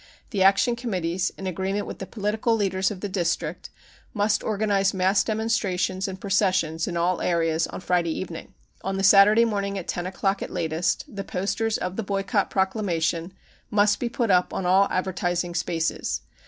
The Action Committees, in agreement with the political leaders of the district, must organise mass demonstrations and processions in all areas on Friday evening. On the Saturday morning at ten o'clock at latest, the posters with the boycott pro clamation must be put up on dll advertising spaces.